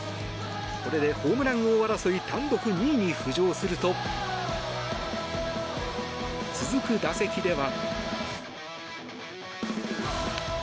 これでホームラン王争い単独２位に浮上すると続く打席では。